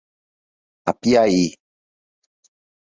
Apiaí